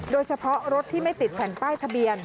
โดยเฉพาะรถที่ไม่ติดแผ่นป้ายทะเบียน